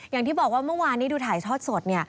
อย่างที่บอกว่าเมื่อวานนี้ดูถ่ายทอดสดเนี่ย